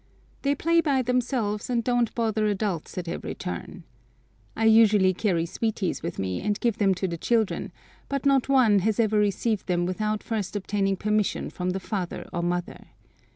They play by themselves, and don't bother adults at every turn. I usually carry sweeties with me, and give them to the children, but not one has ever received them without first obtaining permission from the father or mother.